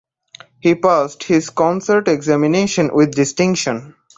He passed his concert examination with distinction.